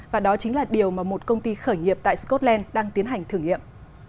và đó chính là điều mà một công ty khởi nghiệp tại scotland đang tiến hành thử nghiệm